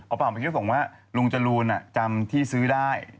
เอาเปล่ามาคิดว่าผมว่าลุงจรูนอ่ะจำที่ซื้อได้